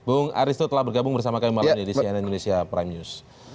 bung aristo telah bergabung bersama kami malam ini di cnn indonesia prime news